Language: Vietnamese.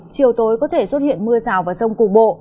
chiều tối có thể xuất hiện mưa rào vào sông cục bộ